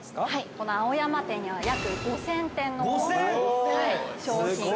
◆この青山店には約５０００点の商品が。